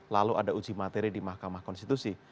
lalu ada uji materi di mahkamah konstitusi